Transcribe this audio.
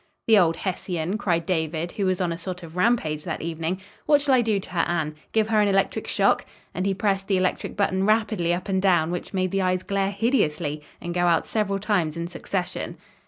"The old Hessian!" cried David, who was on a sort of rampage that evening. "What shall I do to her, Anne? Give her an electric shock?" and he pressed the electric button rapidly up and down, which made the eyes glare hideously and go out several times in succession.